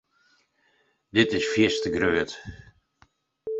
Dit is fierste grut.